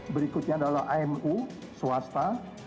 berikutnya adalah amu swasta